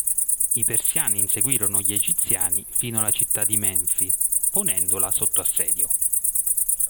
I Persiani inseguirono gli Egiziani fino alla città di Menfi, ponendola sotto assedio.